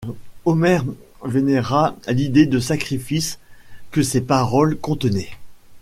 Omer vénéra l'idée de sacrifice que ces paroles contenaient.